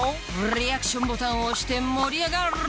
リアクションボタンを押して盛り上がろう！